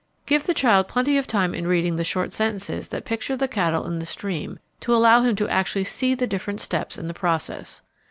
Give the child plenty of time in reading the short sentences that picture the cattle in the stream to allow him to actually see the different steps in the process.